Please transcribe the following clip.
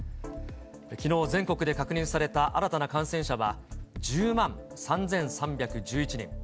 きのう、全国で確認された新たな感染者は１０万３３１１人。